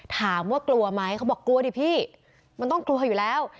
กลัวไหมเขาบอกกลัวดิพี่มันต้องกลัวอยู่แล้ว